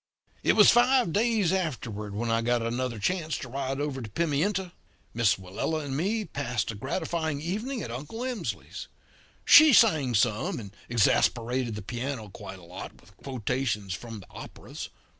"It was five days afterward when I got another chance to ride over to Pimienta. Miss Willella and me passed a gratifying evening at Uncle Emsley's. She sang some, and exasperated the piano quite a lot with quotations from the operas.